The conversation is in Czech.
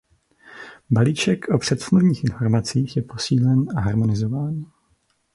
Balíček o předsmluvních informacích je posílen a harmonizován.